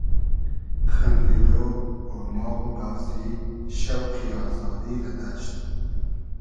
خئندیدۉ , اوماغ و بازی , شۆقی آزادی رۂ دئشت